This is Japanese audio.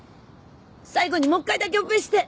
最後にもっかいだけオペして！